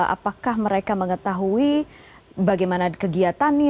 apakah mereka mengetahui bagaimana kegiatannya